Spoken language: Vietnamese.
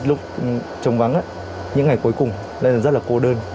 lúc trống vắng những ngày cuối cùng rất là cô đơn